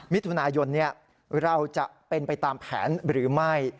มิถุนายนเราจะเป็นไปตามแผนหรือไม่